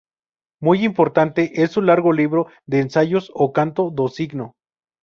Muy importante es su largo libro de ensayos, "O canto do Signo.